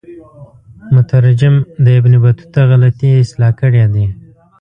مترجم د ابن بطوطه غلطی اصلاح کړي دي.